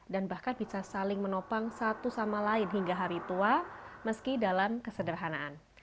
dan bahkan bisa saling menopang satu sama lain hingga hari tua meski dalam kesederhanaan